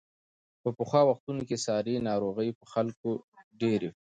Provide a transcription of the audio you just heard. په پخوا وختونو کې ساري ناروغۍ په خلکو کې ډېرې وې.